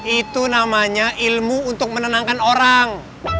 itu namanya ilmu untuk menenangkan orang